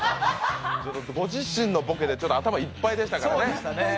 ご自身のボケで頭がいっぱいでしたからね。